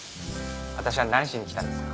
私は何しに来たんですか？